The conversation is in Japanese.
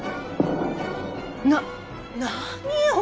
な何よ